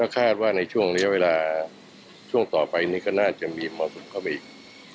ข้าวคาดว่าช่วงต่อไปอีกก็น่าจะมีเมาสินเข้าไปอีก